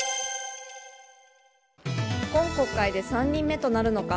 今国会で３人目となるのか。